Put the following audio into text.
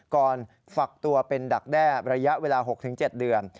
ฝักตัวเป็นดักแด้ระยะเวลา๖๗เดือน